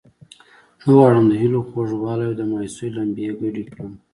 نه غواړم د هیلو خوږوالی او د مایوسۍ لمبې ګډې کړم.